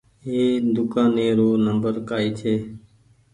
ايِ دوڪآني رو نمبر ڪآئي ڇي۔